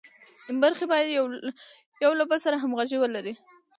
برخې باید یو له بل سره همغږي ولري.